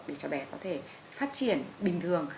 để cho bé có thể phát triển bình thường